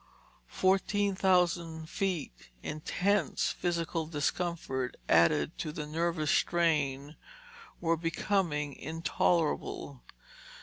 Fourteen thousand feet—intense physical discomfort, added to the nervous strain, were becoming intolerable.